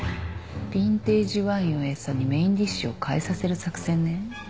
ヴィンテージワインを餌にメインディッシュを変えさせる作戦ね。